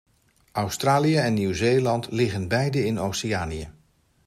Australië en Nieuw Zeeland liggen beide in Oceanië.